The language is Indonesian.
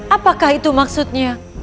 apakah itu maksudnya